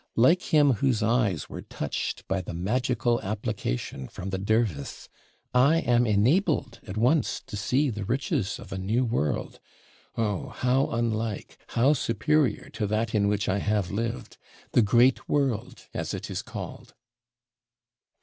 Like him whose eyes were touched by the magical application from the dervise, I am enabled at once to see the riches of a new world Oh! how unlike, how superior to that in which I have lived! the GREAT world, as it is called.'